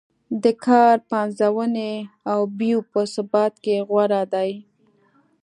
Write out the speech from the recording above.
د کار پنځونې او بیو په ثبات کې غوره دی.